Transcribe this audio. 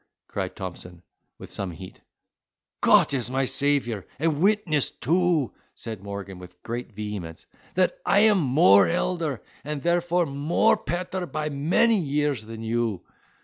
cried Thompson, with some heat. "Cot is my Saviour, and witness too," said Morgan, with great vehemence, "that I am more elder, and therefore more petter by many years than you."